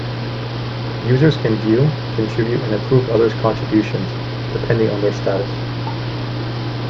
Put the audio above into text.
Users can view, contribute and approve others' contributions, depending on their status.